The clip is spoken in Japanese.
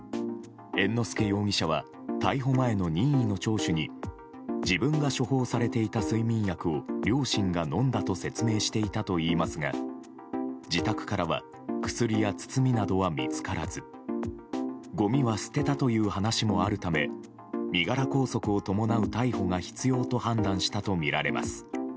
猿之助容疑者は逮捕前の任意の聴取に自分が処方されていた睡眠薬を両親が飲んだと説明していたといいますが自宅からは薬や包みなどは見つからずごみは捨てたという話もあるため身柄拘束を伴う逮捕が必要と判断したとみられます。